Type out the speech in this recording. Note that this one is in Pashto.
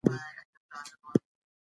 که ټولنه منظمه وي پرمختګ کوي.